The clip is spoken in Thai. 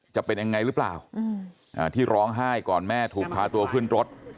จะเป็นยังไงหรือเปล่าที่ร้องไห้ก่อนแม่ถูกพาตัวขึ้นรถ